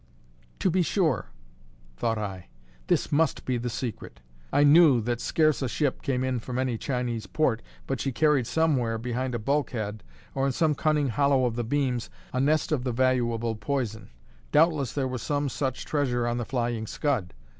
To be sure! thought I: this must be the secret. I knew that scarce a ship came in from any Chinese port, but she carried somewhere, behind a bulkhead, or in some cunning hollow of the beams, a nest of the valuable poison. Doubtless there was some such treasure on the Flying Scud.